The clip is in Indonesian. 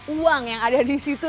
uang yang ada di situ